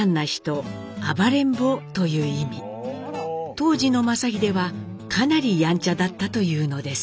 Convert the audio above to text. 当時の正英はかなりやんちゃだったというのです。